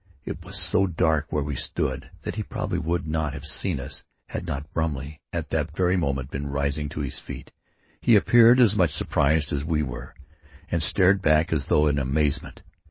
It was so dark where we stood that he probably would not have seen us had not Brumley at that very moment been rising to his feet. He appeared as much surprised as we were and started back as though in amazement.